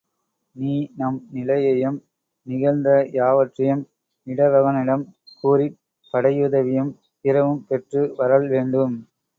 நீ நம் நிலையையும் நிகழ்ந்த யாவற்றையும் இடவகனிடம் கூறிப் படையுதவியும் பிறவும் பெற்று வரல் வேண்டும்.